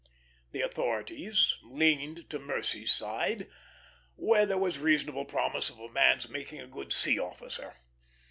The authorities leaned to mercy's side, where there was reasonable promise of a man's making a good sea officer.